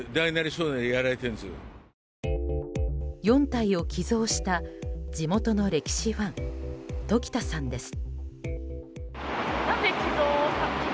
４体を寄贈した地元の歴史ファン時田さんです。